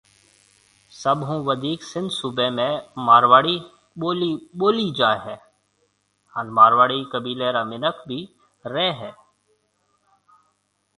سڀ هون وڌيڪ سنڌ صُوبَي ۾ مارواڙي ٻولي ٻولي جائي هيَ هانَ مارواڙي قيبيلي را مِنک بهيَ رهيَن هيَ۔